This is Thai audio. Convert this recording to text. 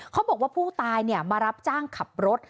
เขาบอกว่าผู้ตายมารับจ้างขับรถ